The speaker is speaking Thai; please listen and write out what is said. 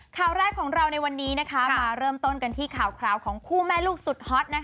ข่าวแรกของเราในวันนี้มาเริ่มต้นกันที่ข่าวของคู่แม่ลูกสุดฮอต